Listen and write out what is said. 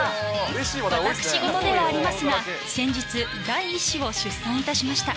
私事ではありますが、先日、第１子を出産いたしました。